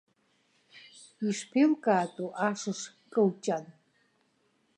Ишԥеилкаатәу ашыш кылҷан?